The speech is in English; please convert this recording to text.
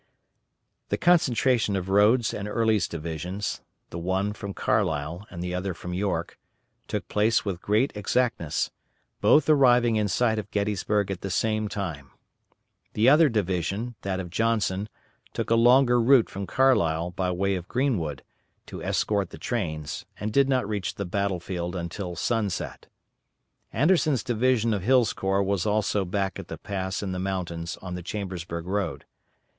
The concentration of Rodes' and Early's divisions the one from Carlisle and the other from York took place with great exactness; both arriving in sight of Gettysburg at the same time. The other division, that of Johnson, took a longer route from Carlisle by way of Greenwood, to escort the trains, and did not reach the battle field until sunset. Anderson's division of Hill's corps was also back at the pass in the mountains on the Chambersburg road.